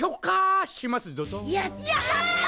やった！